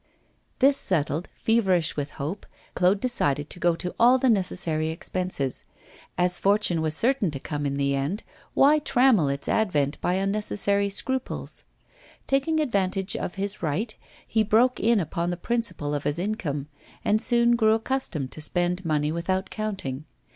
This settled, feverish with hope, Claude decided to go to all the necessary expenses; as fortune was certain to come in the end, why trammel its advent by unnecessary scruples? Taking advantage of his right, he broke in upon the principal of his income, and soon grew accustomed to spend money without counting.